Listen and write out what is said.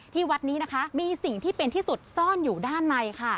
วัดนี้นะคะมีสิ่งที่เป็นที่สุดซ่อนอยู่ด้านในค่ะ